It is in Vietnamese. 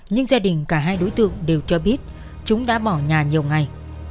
nhưng gia đình cả hai đối tượng đều cho biết chúng đã bỏ nhà nhiều ngày